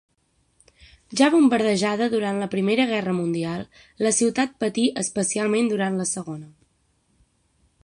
Ja bombardejada durant la Primera Guerra mundial, la ciutat patí especialment durant la Segona.